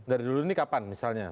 dari dulu ini kapan misalnya